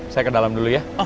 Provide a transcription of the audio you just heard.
saya ke dalam dulu ya